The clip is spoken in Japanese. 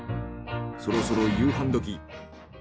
そろそろ夕飯どき。